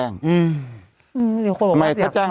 เขาไม่แจ้ง